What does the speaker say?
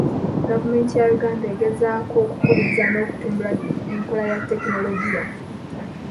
Gavumenti ya Uganda egezaako okukubiriza n'okutumbula enkola ya tekinologiya.